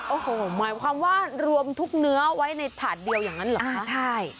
โอ้โหหมายความว่ารวมทุกเนื้อไว้ในถาดเดียวอย่างนั้นเหรอคะใช่